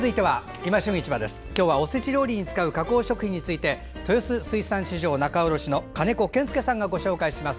今日は、おせち料理に使う加工食品について豊洲水産市場仲卸の金子賢介さんが、ご紹介します。